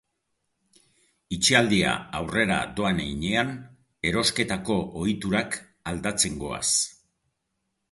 Itxialdia aurrera doan heinean erosketako ohiturak aldatzen goaz.